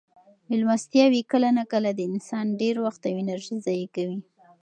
مېلمستیاوې کله ناکله د انسان ډېر وخت او انرژي ضایع کوي.